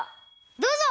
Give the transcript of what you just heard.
どうぞ！